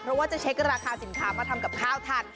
เพราะว่าจะเช็คราคาสินค้ามาทำกับข้าวทัน